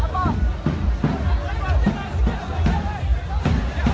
มันอาจจะไม่เอาเห็น